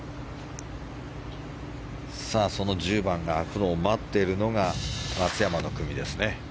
その１０番が空くのを待ってるのが松山の組ですね。